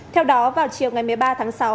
theo đó vào chiều ngày một mươi ba tháng sáu